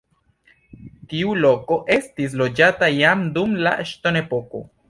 Tiu loko estis loĝata jam dum la ŝtonepoko.